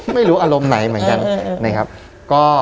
ไม่รู้อารมณ์ไหนเหมือนกัน